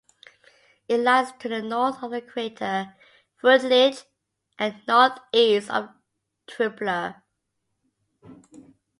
It lies to the north of the crater Freundlich and northeast of Trumpler.